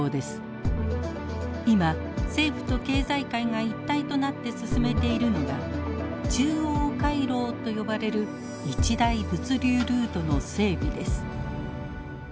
今政府と経済界が一体となって進めているのが中央回廊と呼ばれる一大物流ルートの整備です。